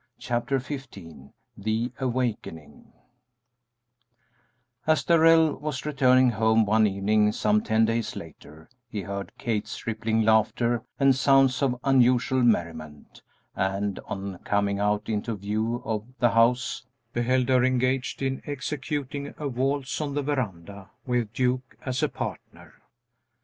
Chapter XV THE AWAKENING As Darrell was returning home one evening, some ten days later, he heard Kate's rippling laughter and sounds of unusual merriment, and, on coming out into view of the house, beheld her engaged in executing a waltz on the veranda, with Duke as a partner.